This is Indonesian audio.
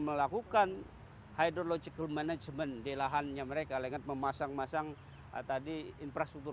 melakukan hydrological management di lahannya mereka dengan memasang masang tadi infrastruktur